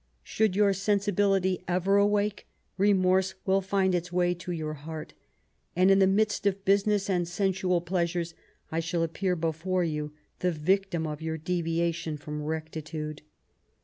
Should your sensibility ever awake, remorse will find its way to your heart ; and, in the midst of business and sensual pleasures, I shall appear before you, the victim of your deviation from rectitude.